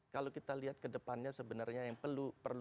kalau kita lihat kedepannya sebenarnya yang perlu dikhawatirkan